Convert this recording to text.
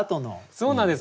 そうなんです。